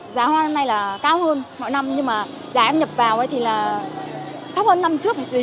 giá hoa năm nay là cao hơn mỗi năm nhưng mà giá em nhập vào thì là thấp hơn năm trước một tí